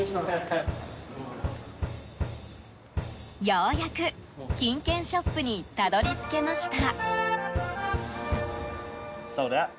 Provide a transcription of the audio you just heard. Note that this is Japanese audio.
ようやく、金券ショップにたどり着けました。